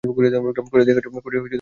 করে দেখিয়েছো তুমি।